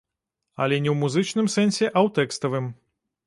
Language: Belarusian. Але не ў музычным сэнсе, а ў тэкставым.